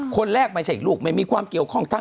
คุณหนุ่มกัญชัยได้เล่าใหญ่ใจความไปสักส่วนใหญ่แล้ว